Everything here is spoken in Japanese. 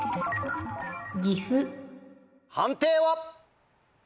判定は。